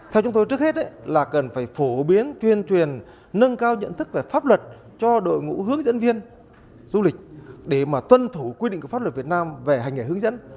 theo chúng tôi trước hết là cần phải phổ biến truyền truyền nâng cao nhận thức về pháp luật cho đội ngũ hướng dẫn viên du lịch để mà tuân thủ quy định của pháp luật việt nam về hành nghề hướng dẫn